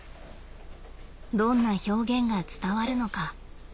どんな表現が伝わるのか？